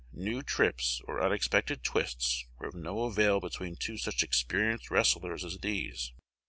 New trips or unexpected twists were of no avail between two such experienced wrestlers as these.